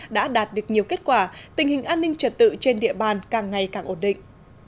đã đạt được nhiều kết quả tình hình an ninh trật tự trên địa bàn càng ngày càng ổn định